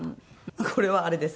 これはあれです。